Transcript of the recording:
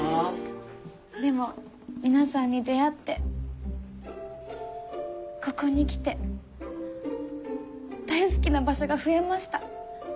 でも皆さんに出会ってここに来て大好きな場所が増えました。